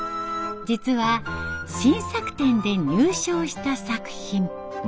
実は新作展で入賞した作品。